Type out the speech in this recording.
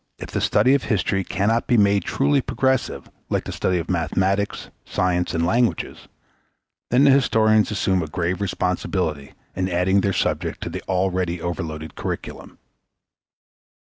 If the study of history cannot be made truly progressive like the study of mathematics, science, and languages, then the historians assume a grave responsibility in adding their subject to the already overloaded curriculum.